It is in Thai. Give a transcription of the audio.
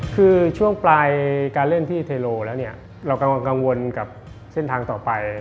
คือช่วงปลายการเล่นที่เทโลแล้วเนี่ยเรากำลังกังวลกับเส้นทางต่อไป